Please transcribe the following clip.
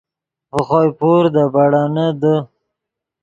ڤے خوئے پور دے بیڑینے دے